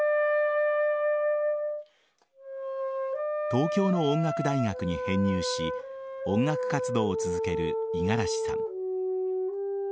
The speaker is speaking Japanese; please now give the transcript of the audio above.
東京の音楽大学に編入し音楽活動を続ける五十嵐さん。